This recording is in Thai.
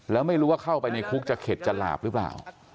แล้วไม่รู้ว่าเข้าไปในคุกจะเข็ดจะหลาบหรือเปล่า